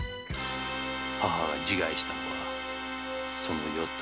母が自害したのはその夜だ。